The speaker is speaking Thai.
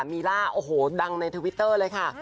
มีล่าโอ้โหดังในทวิตเตอร์เลยค่ะ